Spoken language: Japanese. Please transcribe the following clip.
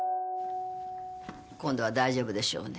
今度は大丈夫でしょうね？